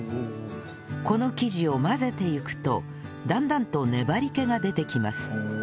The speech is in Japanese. この生地を混ぜていくとだんだんと粘り気が出てきます